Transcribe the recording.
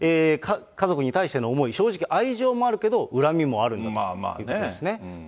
家族に対しての思い、正直愛情もありますけど、恨みもあるんだということですね。